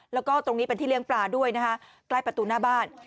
แล้วก็ตรงนี้เป็นที่เลี้ยงปลาด้วยนะคะใกล้ประตูหน้าบ้าน